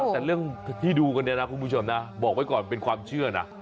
แต่เรื่องที่ดูกันเนี่ยนะคุณผู้ชมนะบอกไว้ก่อนเป็นความเชื่อนะ